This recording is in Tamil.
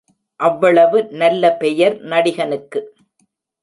அவ்வளவு நல்ல பெயர் நடிகனுக்கு.